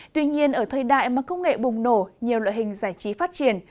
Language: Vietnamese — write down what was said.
tuy nhiên ở thời đại mà công nghệ bùng nổ nhiều loại hình giải trí phát triển